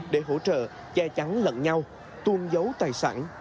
để hỗ trợ che chắn lẫn nhau tuôn giấu tài sản